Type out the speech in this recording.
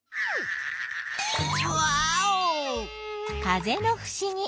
風のふしぎ。